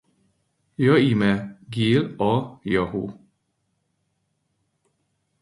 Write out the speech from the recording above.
Jaime Gill a Yahoo!